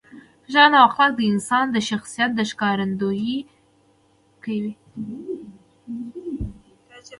ښه چلند او اخلاق د انسان د شخصیت ښکارندویي کوي.